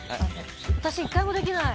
私、１回もできない。